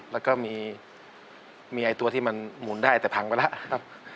แล้วก็มีตัวที่มันหมุนได้แต่พังไปแล้วครับ